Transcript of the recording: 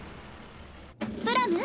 プラム？